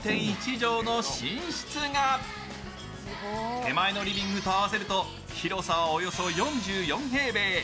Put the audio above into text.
手前のリビングと合わせると広さはおよそ４４平米。